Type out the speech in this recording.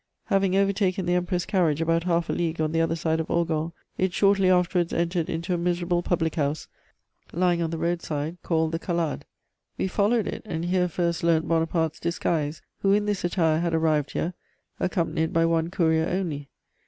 "Having overtaken the Emperor's carriage about half a league on the other side of Orgon, it shortly afterwards entered into a miserable public house, lying on the roadside, called the Calade. We followed it, and here first learnt Buonaparte's disguise, who in this attire had arrived here, accompanied by one courier only.